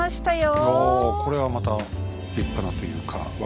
おこれはまた立派なというか分かりやすい。